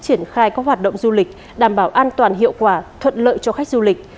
triển khai các hoạt động du lịch đảm bảo an toàn hiệu quả thuận lợi cho khách du lịch